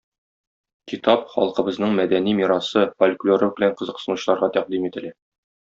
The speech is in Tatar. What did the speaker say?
Китап халкыбызның мәдәни мирасы, фольклоры белән кызыксынучыларга тәкъдим ителә.